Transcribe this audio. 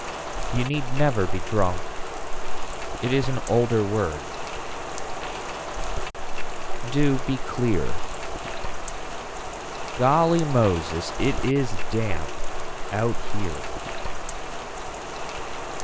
You need never be drunk. It is an older word. Do be clear. Golly Moses it is damp out here.